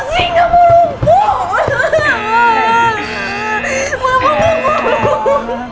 mau gak mau lumpuh